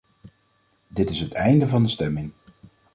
Dit is het einde van de stemming.